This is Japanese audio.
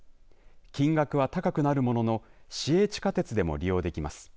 金額は高くなるものの市営地下鉄でも利用できます。